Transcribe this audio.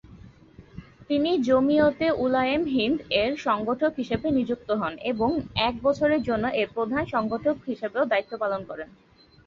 তিনি জমিয়তে উলামায়ে হিন্দ- এর সংগঠক হিসাবে নিযুক্ত হন এবং এক বছরের জন্য এর প্রধান সংগঠক হিসাবেও দায়িত্ব পালন করেন।